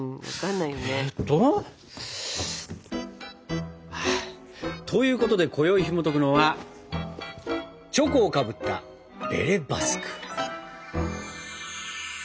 分かんないよね。ということでこよいひもとくのはチョコをかぶったベレ・バスク。